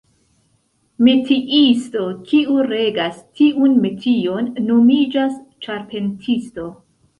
Metiisto, kiu regas tiun metion, nomiĝas ĉarpentisto.